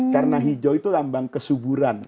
karena hijau itu lambang kesuburan